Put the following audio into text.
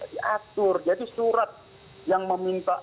diatur jadi surat yang meminta